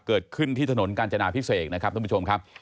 เกิดขึ้นที่ถนนกาญจนาพิเศษนะครับท่านผู้ชมครับ